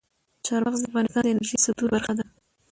چار مغز د افغانستان د انرژۍ سکتور برخه ده.